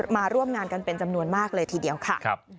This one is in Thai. มาร่วมงานกันเป็นจำนวนมากเลยทีเดียวค่ะ